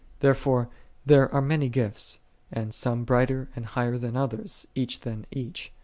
Therefore there are many gifts, j and some brighter and higher than others, j each than each.